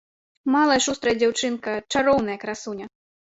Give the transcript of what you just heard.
Малая шустрая дзяўчынка, чароўная красуня.